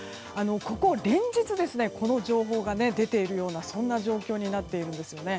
ここ連日、この情報が出ているような状況になっているんですね。